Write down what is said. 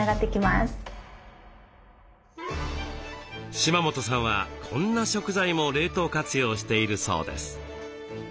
島本さんはこんな食材も冷凍活用しているそうです。